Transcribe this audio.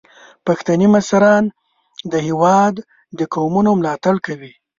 پښتني مشران د هیواد د قومونو ملاتړ کوي.